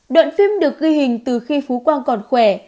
đoạn phim được ghi hình từ khi phú quang còn khỏe